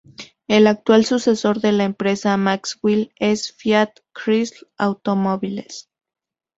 El actual sucesor de la empresa Maxwell es la Fiat Chrysler Automobiles.